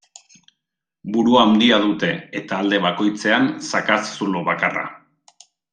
Buru handia dute eta alde bakoitzean zakatz zulo bakarra.